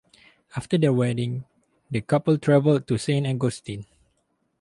After their wedding, the couple traveled to Saint Augustine.